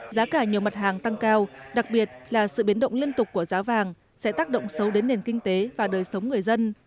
giá cả nhiều mặt hàng tăng cao đặc biệt là sự biến động liên tục của giá vàng sẽ tác động xấu đến nền kinh tế và đời sống người dân